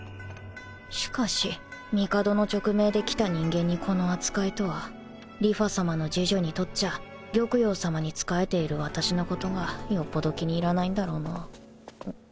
しかし帝の勅命で来た人間にこの扱いとは梨花さまの侍女にとっちゃ玉葉さまに仕えている私のことがよっぽど気に入らないんだろうなん？